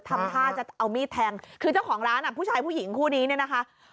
ทำท่าจะเอามีดแทงคือเจ้าของร้านอ่ะผู้ชายผู้หญิงคู่นี้เนี่ยนะคะ